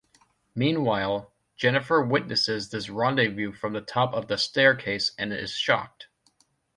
Meanwhile, Jennifer witnesses this rendezvous from the top of the staircase and is shocked.